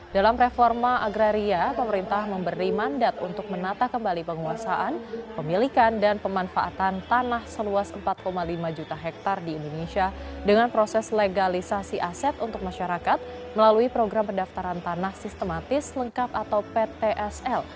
dalam reforma agraria pemerintah memberi mandat untuk menata kembali penguasaan pemilikan dan pemanfaatan tanah seluas empat lima juta hektare di indonesia dengan proses legalisasi aset untuk masyarakat melalui program pendaftaran tanah sistematis lengkap atau ptsl